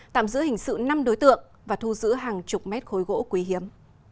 tạm giữ hình sự năm đối tượng và thu giữ hàng chục mét khối gỗ quý hiếm